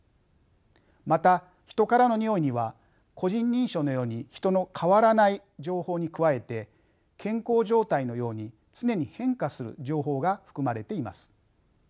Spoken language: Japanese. また人からのにおいには個人認証のように人の変わらない情報に加えて健康状態のように常に変化する情報が含まれています。